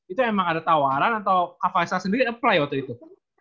itu emang ada tawaran atau kak faisal sendiri apply waktu itu